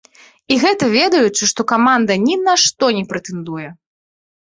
І гэта, ведаючы, што каманда ні на што не прэтэндуе!